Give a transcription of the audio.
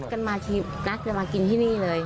นักกันมาชิมนักจะมากินที่นี่เลย